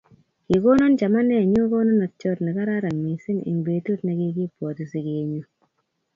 kikonon chamanenyu konunotiot ne kararan mising eng' betut ne kikibwoti sikenyu.